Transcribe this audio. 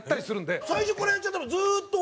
最初からやっちゃったらずっと。